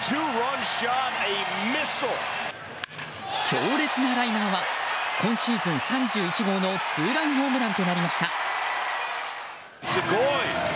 強烈なライナーは今シーズン３１号のツーランホームランとなりました。